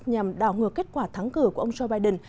nhằm đảo ngược kết quả thắng cử của ông joe biden